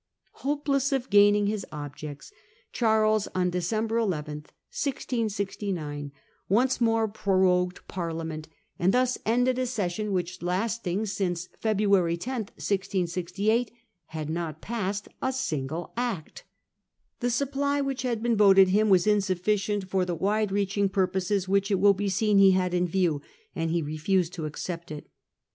Hopeless of gaining his objects, Charles, on Decern' 1670. Charles consents to Persecution . 173 ber 11, 1669, once more prorogued Parliament, and thus ended a session which, lasting since February 10, 1668, had not passed a single Act. The supply which had been voted him was insufficient for the wide reaching pur poses which it will be seen he had in view, and he refused to accept it.